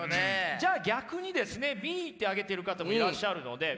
じゃあ逆にですねＢって上げてる方もいらっしゃるので。